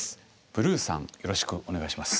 ブルーさんよろしくお願いします。